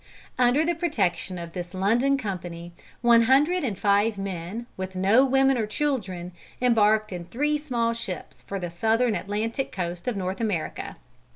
Under the protection of this London Company, one hundred and five men, with no women or children, embarked in three small ships for the Southern Atlantic coast of North America.